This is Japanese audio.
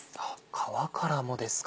皮からもですか。